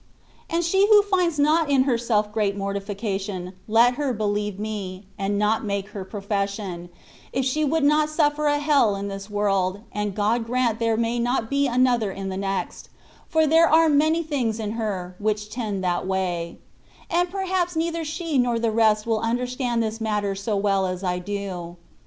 And she who finds not in herself great mortification, let her believe me, and not make her profession, if she would not suflFer a hell in this world, and God srant there may not be another ia the next, for there are many things in her, which tend that way; and perhaps neither she nor the rest will understand this matter so well as I do.